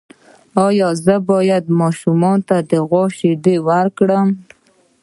ایا زه باید ماشوم ته د غوا شیدې ورکړم؟